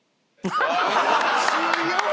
強い！